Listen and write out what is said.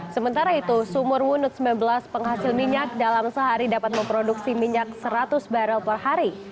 sementara itu sumur wunut sembilan belas penghasil minyak dalam sehari dapat memproduksi minyak seratus barrel per hari